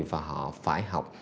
và họ phải học